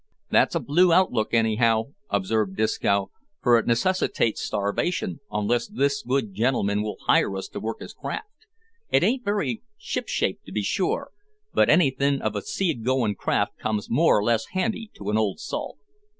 "That's a blue look out anyhow," observed Disco, "for it necessitates starvation, unless this good gentleman will hire us to work his craft. It ain't very ship shape to be sure, but anything of a seagoin' craft comes more or less handy to an old salt."